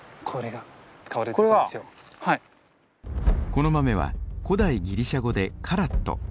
この豆は古代ギリシャ語でカラット。